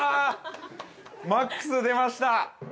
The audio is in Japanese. ◆マックス出ました。